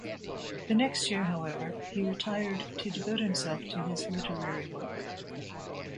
The next year, however, he retired to devote himself to his literary work.